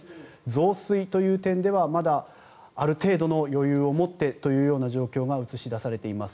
増水という点ではまだある程度の余裕を持ってという状況が映し出されています。